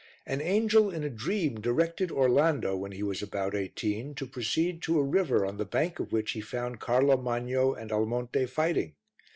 An angel in a dream directed Orlando, when he was about eighteen, to proceed to a river on the bank of which he found Carlo Magno and Almonte fighting.